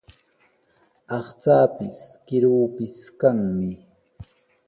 Aqchaapis, kiruupis kanmi.